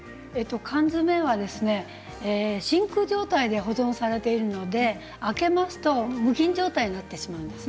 缶詰は真空状態で保存されているので開けますと無菌状態になってしまうんです。